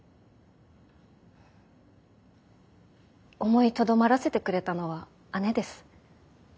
思いとどまらせてくれたのは姉です。